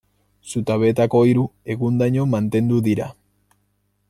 Zutabeetako hiru, egundaino mantendu dira.